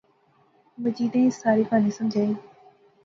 مجیدیں اس ساری کہاںی سمجھائی